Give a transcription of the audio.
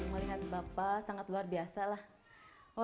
melihat bapak sangat luar biasa lah